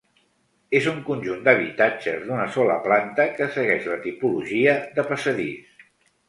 És un conjunt d'habitatges d'una sola planta que segueix la tipologia de passadís.